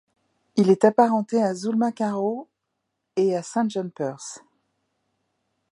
Il est apparenté à Zulma Carraud et à Saint-John Perse.